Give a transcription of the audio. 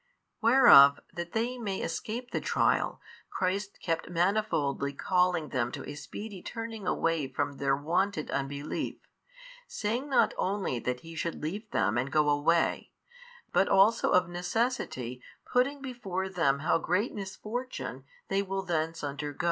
Whereof that they may escape the trial, Christ kept manifoldly calling them to a speedy turning away from their wonted unbelief, saying not only that He should leave them and go away, but also of necessity putting before them how great misfortune they will thence undergo.